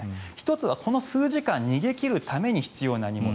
１つはこの数時間逃げ切るために必要な荷物。